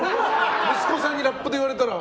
息子さんにラップで言われたら？